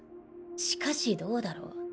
しかしどうだろう？